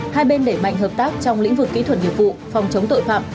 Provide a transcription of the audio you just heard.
hai bên đẩy mạnh hợp tác trong lĩnh vực kỹ thuật nghiệp vụ phòng chống tội phạm